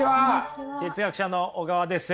哲学者の小川です。